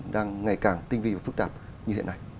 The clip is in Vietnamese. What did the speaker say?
đang ngày càng tinh vi và phức tạp như hiện nay